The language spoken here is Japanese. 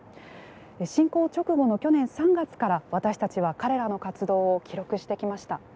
侵攻直後の去年３月から私たちは彼らの活動を記録してきました。